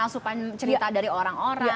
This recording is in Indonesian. asupan cerita dari orang orang